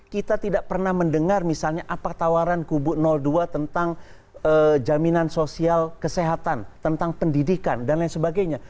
kita tidak pernah mendengar misalnya apa tawaran kubu dua tentang jaminan sosial kesehatan tentang pendidikan dan lain sebagainya